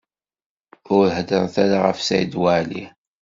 Ur heddṛet ara ɣef Saɛid Waɛli.